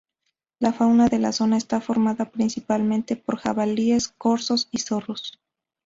La fauna de la zona está formada, principalmente, por jabalíes, corzos y zorros.